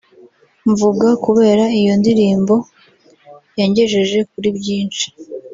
mvuga kubera iyo ndirimbo…yangejeje kuri byinshi… »